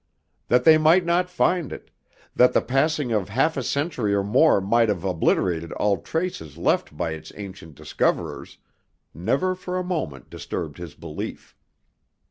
That they might not find it, that the passing of half a century or more might have obliterated all traces left by its ancient discoverers, never for a moment disturbed his belief.